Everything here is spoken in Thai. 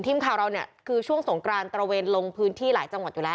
ทีมข่าวเราเนี่ยคือช่วงสงกรานตระเวนลงพื้นที่หลายจังหวัดอยู่แล้ว